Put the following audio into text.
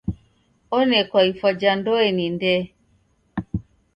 Onekwa ifwa ja ndoe ni ndee.